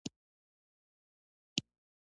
دنده مو هېڅ وخت نه شي شتمن کولای.